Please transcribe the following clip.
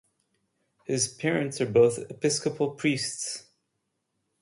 His parents are both Episcopal priests.